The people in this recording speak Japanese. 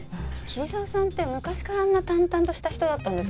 桐沢さんって昔からあんな淡々とした人だったんですか？